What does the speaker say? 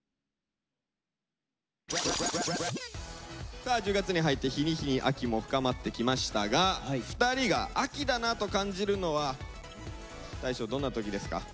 さあ１０月に入って日に日に秋も深まってきましたが２人が秋だなと感じるのは大昇どんな時ですか？